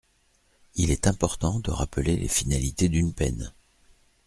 Il est important de rappeler les finalités d’une peine.